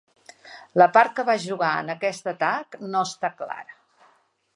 La part que va jugar en aquest atac no està clara.